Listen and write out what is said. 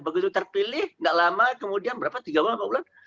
begitu terpilih tidak lama kemudian berapa tiga empat bulan